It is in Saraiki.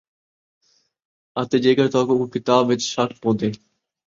اَتے جیکر تہاکوں اُوں کتاب وِچ شک پوندے